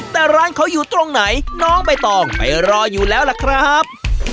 แต่ร้านเขาอยู่ตรงไหนน้องใบตองไปรออยู่แล้วล่ะครับ